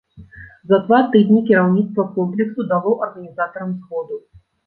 За два тыдні кіраўніцтва комплексу дало арганізатарам згоду.